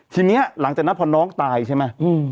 ทีนี้หลังจากนั้นพอน้องตายใช่ไหม